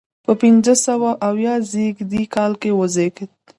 په پنځه سوه اویا زیږدي کال وزیږېد.